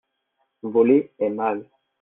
voler est mal.